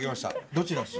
どちら？